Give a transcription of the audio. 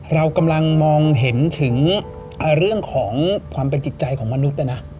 เรากำลังมองเห็นถึงเรื่องของความเป็นจิตใจของมนุษย์นะนะ